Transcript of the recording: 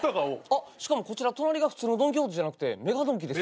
しかもこちら隣が普通のドン・キホーテじゃなくてＭＥＧＡドンキですよ。